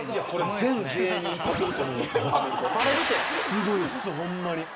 すごいっすホンマに。